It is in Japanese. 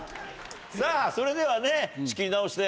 さぁそれではね仕切り直して。